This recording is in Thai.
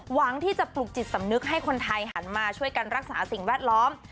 หวังที่จะปลุกจิตสำนึกให้คนไทยหันมาช่วยกันรักษาสิ่งแวดล้อม